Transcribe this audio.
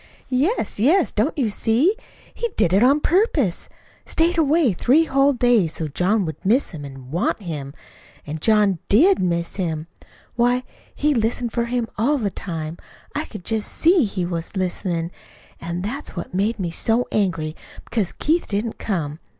"Yes, yes! Don't you see? He did it on purpose stayed away three whole days, so John would miss him an' WANT him. An' John DID miss him. Why, he listened for him all the time. I could just SEE he was listenin'. An' that's what made me so angry, because Keith didn't come.